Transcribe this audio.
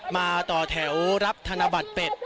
มาต่อแถวรับธนบัตรเป็ด